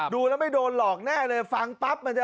ดูแล้วไม่โดนหลอกแน่เลยฟังปั๊บมันจะ